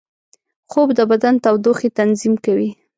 خوب د بدن تودوخې تنظیم کوي